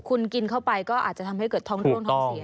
คุณกินเข้าไปก็อาจจะทำให้เกิดท้องร่วงท้องเสีย